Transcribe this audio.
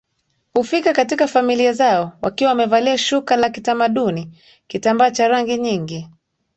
Hufika katika familia zao wakiwa wamevalia shuka la kitamaduni kitambaa cha rangi nyingi